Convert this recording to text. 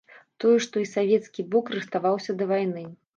Тое, што і савецкі бок рыхтаваўся да вайны.